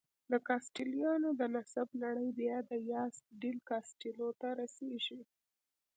د کاسټیلویانو د نسب لړۍ بیا دیاز ډیل کاسټیلو ته رسېږي.